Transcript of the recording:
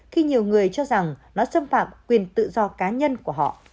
khi nhiều người cho rằng nó xâm phạm quyền tự do cá nhân của họ